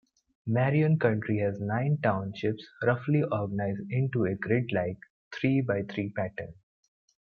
Marion County has nine townships roughly organized into a grid-like, three-by-three pattern.